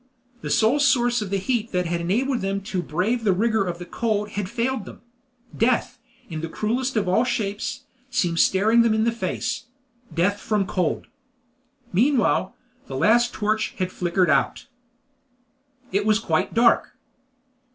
The sole source of the heat that had enabled them to brave the rigor of the cold had failed them! death, in the cruellest of all shapes, seemed staring them in the face death from cold! Meanwhile, the last torch had flickered out. It was quite dark.